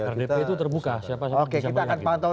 rdp itu terbuka siapa siapa bisa melihat